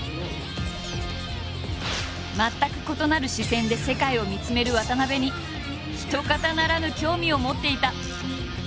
全く異なる視線で世界を見つめる渡部にひとかたならぬ興味を持っていた。